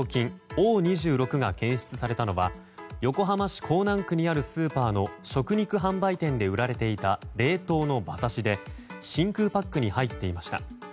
Ｏ２６が検出されたのは横浜市港南区にあるスーパーの食肉販売店で売られていた冷凍の馬刺しで真空パックに入っていました。